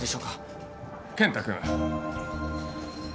健太君。